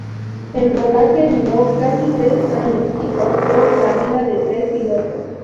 El rodaje duró casi tres años, y costó la vida de tres pilotos.